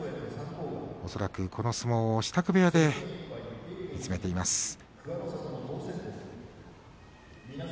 恐らくこの相撲を支度部屋で見つめています。